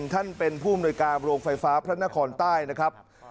ท่านเป็นผู้อำนวยการโรงไฟฟ้าพระนครใต้นะครับ